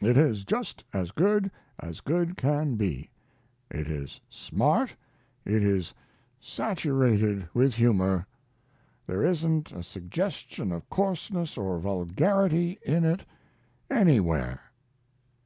It is just as good as good can be. It is smart; it is saturated with humor. There isn't a suggestion of coarseness or vulgarity in it anywhere.